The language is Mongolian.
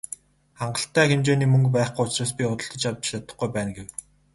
"Хангалттай хэмжээний мөнгө байхгүй учраас би худалдаж авч чадахгүй байна" гэв.